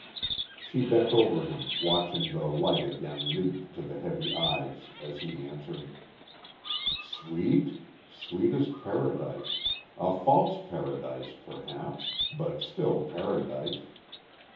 She bent over him, watching the light again leap to the heavy eyes as he answered: "Sweet? Sweet as Paradise a false Paradise, perhaps; but still Paradise!